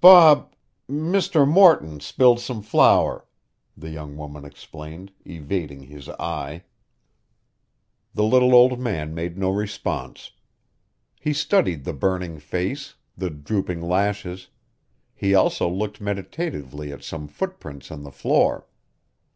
"Bob Mr. Morton spilled some flour," the young woman explained, evading his eye. The little old man made no response. He studied the burning face, the drooping lashes; he also looked meditatively at some footprints on the floor.